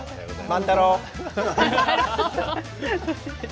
万太郎。